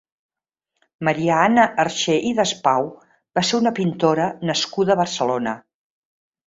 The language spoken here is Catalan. Maria Anna Arxer i Despau va ser una pintora nascuda a Barcelona.